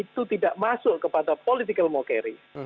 itu tidak masuk kepada political mokerry